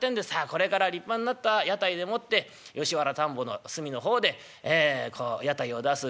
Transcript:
これから立派んなった屋台でもって吉原田圃の隅のほうで屋台を出す。